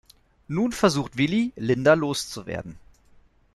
Nun versucht Willy, Linda loszuwerden.